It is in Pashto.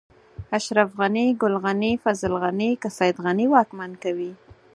اشرف غني، ګل غني، فضل غني، که سيد غني واکمن کوي.